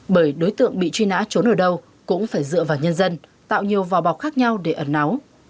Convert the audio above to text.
bởi đối tượng bị truy nã trốn ở đâu cũng phải dựa vào nhân dân tạo nhiều vò bọc khác nhau để ẩn náu